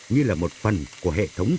như là một phần của hệ thống